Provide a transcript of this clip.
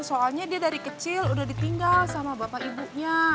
soalnya dia dari kecil udah ditinggal sama bapak ibunya